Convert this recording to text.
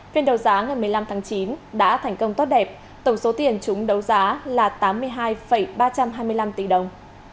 phiên đấu giá ngày một mươi năm tháng chín đã thành công tốt đẹp tổng số tiền chúng đấu giá là tám mươi hai ba trăm hai mươi năm tỷ đồng